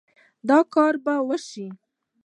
دا کار به وشي